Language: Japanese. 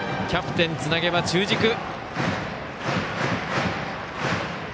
キャプテン、つなげば中軸。